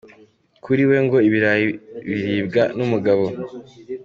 Kuri we ngo ibirayi biribwa n’umugabo.